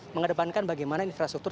mengedepankan bagaimana infrastruktur